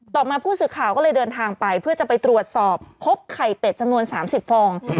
ต่อมาผู้สื่อข่าวก็เลยเดินทางไปเพื่อจะไปตรวจสอบพบไข่เป็ดจำนวน๓๐ฟอง